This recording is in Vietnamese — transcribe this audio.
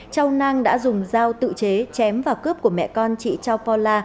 châu nang đã dùng dao tự chế chém và cướp của mẹ con chị châu paula